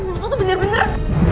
sumpah mulut lo tuh bener bener